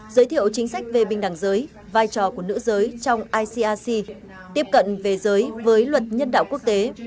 giới thiệu chính sách về bình đẳng giới vai trò của nữ giới trong ic tiếp cận về giới với luật nhân đạo quốc tế